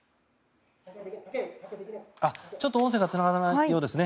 ちょっと音声がつながらないようですね。